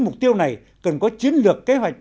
mục tiêu này cần có chiến lược kế hoạch